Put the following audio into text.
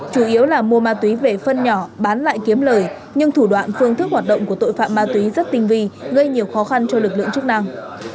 chủ yếu là mua ma túy về phân nhỏ bán lại kiếm lời nhưng thủ đoạn phương thức hoạt động của tội phạm ma túy rất tinh vi gây nhiều khó khăn cho lực lượng chức năng